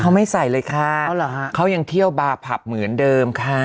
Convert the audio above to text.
เขาไม่ใส่เลยค่ะเขายังเที่ยวบาผับเหมือนเดิมค่ะ